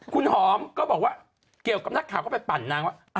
คุณหอมก็บอกว่าเกี่ยวกับนักข่าวก็ไปปั่นนางว่า